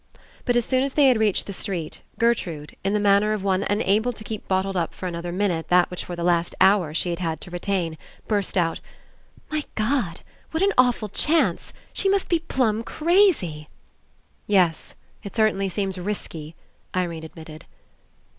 But as soon as they had reached the street Gertrude, In the manner of one unable to keep bottled up for another minute that which for the last hour she had had to retain, burst out: "My God! What an awful chance! She must be plumb crazy." "Yes, It certainly seems risky," Irene ad mitted.